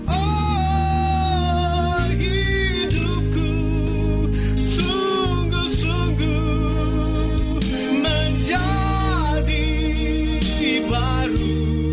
oh hidupku sungguh sungguh menjadi baru